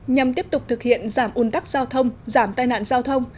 nhằm tiếp tục thực hiện giảm un tắc giao thông giảm tai nạn giao thông